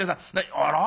あら？